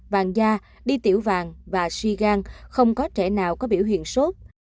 vàng da đi tiểu vàng và suy gan không có trẻ nào có biểu hiện sốt